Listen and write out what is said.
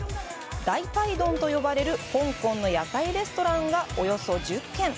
ダイパイドンと呼ばれる香港の屋台レストランがおよそ１０軒。